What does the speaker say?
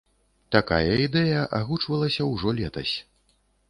Такая ідэя агучвалася ўжо летась.